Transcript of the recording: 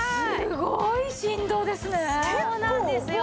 すごい振動ですね。